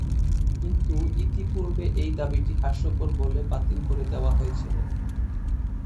কিন্তু ইতিপূর্বে এই দাবিটি হাস্যকর বলে বাতিল করে দেওয়া হয়েছিল।